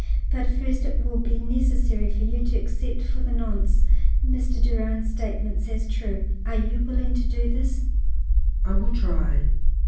But first, it will be necessary for you to accept for the nonce Mr. Durand's statements as true. Are you willing to do this?" "I will try."